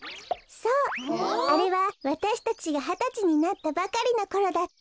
そうあれはわたしたちがはたちになったばかりのころだった。